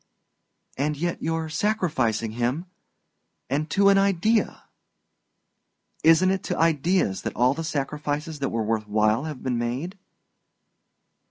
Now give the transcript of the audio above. "And yet you're sacrificing him and to an idea!" "Isn't it to ideas that all the sacrifices that were worth while have been made?"